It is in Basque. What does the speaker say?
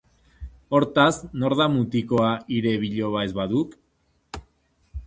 Hortaz, nor da mutikoa, hire biloba ez baduk?